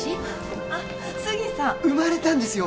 あっ杉さん生まれたんですよ